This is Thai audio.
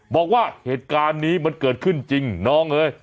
บอกว่าเหตุการณ์นี้มันเกิดขึ้นจริงน้องเอ้ย